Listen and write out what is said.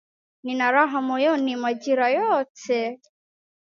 Nina raha moyoni majira yote,